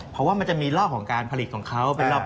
เพราะว่ามันจะมีรอบของการผลิตของเขาเป็นรอบ